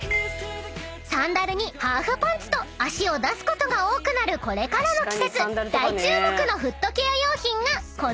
［サンダルにハーフパンツと脚を出すことが多くなるこれからの季節大注目のフットケア用品がこの］